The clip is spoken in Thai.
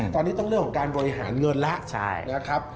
ตอนนี้ต้องเรื่องของการบริหารเงินแล้วนะครับ